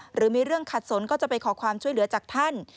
หรือมีเรื่องขัดสนก็จะไปขอความช่วยเหลือจากท่าน